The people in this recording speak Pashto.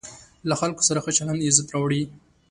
له خلکو سره ښه چلند عزت راوړي.